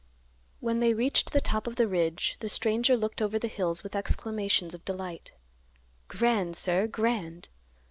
When they reached the top of the ridge the stranger looked over the hills with exclamations of delight, "Grand, sir; grand!